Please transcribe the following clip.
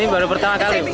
ini baru pertama kali